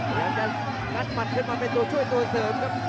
พอทองจะนัดมัดขึ้นมาไปช่วยตัวเสริมครับ